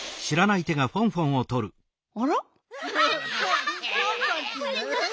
あら？